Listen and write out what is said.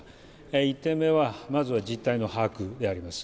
１点目はまずは実態の把握であります。